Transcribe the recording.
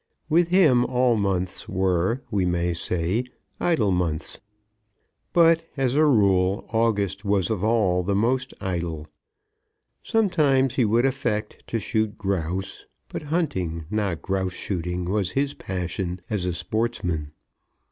With him all months were, we may say, idle months; but, as a rule, August was of all the most idle. Sometimes he would affect to shoot grouse, but hunting, not grouse shooting, was his passion as a sportsman.